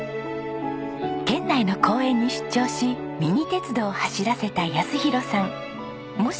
県内の公園に出張しミニ鉄道を走らせた泰弘さん。